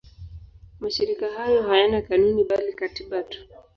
Mashirika hayo hayana kanuni bali katiba tu.